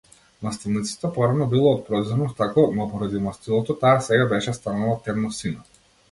Мастилницата порано била од проѕирно стакло, но поради мастилото таа сега беше станала темносина.